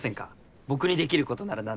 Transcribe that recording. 僕にできることなら何でも。